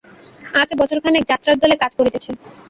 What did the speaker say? আজ বছরখানেক যাত্রার দলে কাজ করিতেছে।